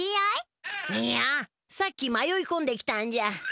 いいやさっきまよいこんできたんじゃ。